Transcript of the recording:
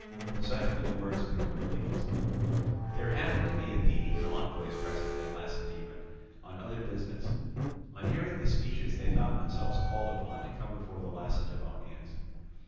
Such were the words of the Corinthians. There happened to be Athenian envoys present at Lacedaemon on other business. On hearing the speeches they thought themselves called upon to come before the Lacedaemonians.